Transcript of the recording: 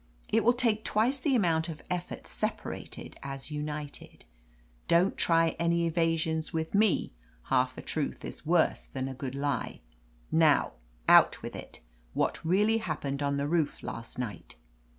It will take twice the amount of effort separated as united. Don't try any evasions with me — ^half a truth is worse than a good lie. Now — out with it. What really happened on the roof last night